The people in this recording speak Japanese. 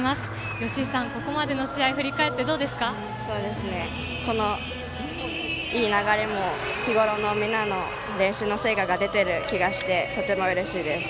よしいさん、ここまでの試合いい流れも日ごろのみんなの練習の成果が出ている気がしてとてもうれしいです。